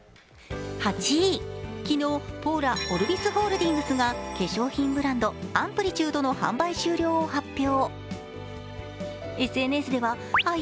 昨日、ポーラ・オルビスホールディングスが化粧品ブランド・アンプリチュードの販売終了を発表。